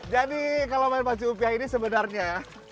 jadi kalau main pacu upiah ini sebenarnya